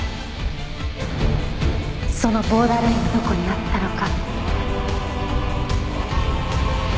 そのボーダーラインがどこにあったのか。